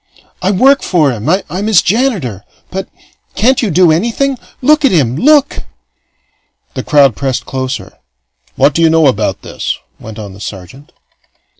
"I work for him. I'm his janitor. But can't you do anything? Look at him! Look!" The crowd pressed closer. "What do you know about this?" went on the sergeant.